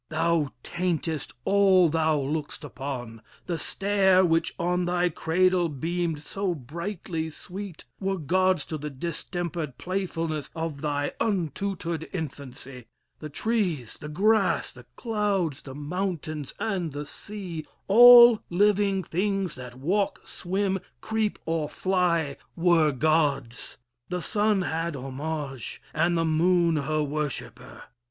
Thou taintest all thou look'st upon! The stare, Which on thy cradle beamed so brightly sweet, Were gods to the distempered playfulness Of thy untutored infancy: the trees, The grass, the clouds, the mountains, and the sea, All living things that walk, swim, creep, or fly, Were gods: the sun had homage, and the moon Her worshipper.